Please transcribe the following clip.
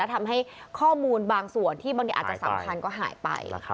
ทำให้ข้อมูลบางส่วนที่บางทีอาจจะสำคัญก็หายไป